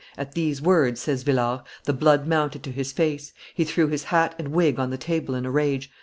"At these words," says Villars, the blood mounted to his face; he threw his hat and wig on the table in a rage.